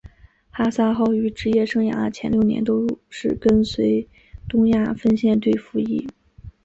汉萨号于职业生涯的前六年都是跟随东亚分舰队服役。